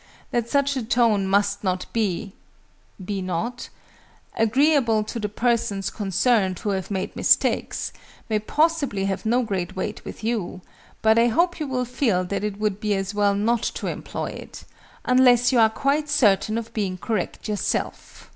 That such a tone must not be" ("be not"?) "agreeable to the persons concerned who have made mistakes may possibly have no great weight with you, but I hope you will feel that it would be as well not to employ it, unless you are quite certain of being correct yourself."